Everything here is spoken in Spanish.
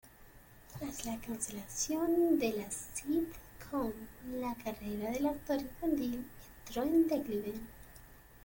Tras la cancelación de la "sitcom", la carrera del actor infantil entró en declive.